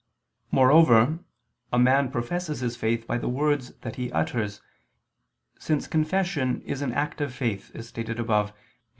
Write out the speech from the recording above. Moreover a man professes his faith by the words that he utters, since confession is an act of faith, as stated above (Q.